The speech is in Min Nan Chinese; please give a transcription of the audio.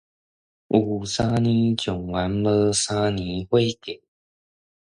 有三年狀元，無三年夥計